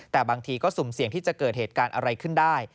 แต่บางทีก็สุ่มเสี่ยงที่จะเกิดเหตุการณ์อะไรขึ้นได้